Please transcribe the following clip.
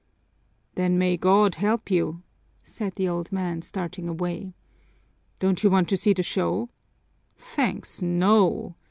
"Then may God help you!" said the old man, starting away. "Don't you want to see the show?" "Thanks, no!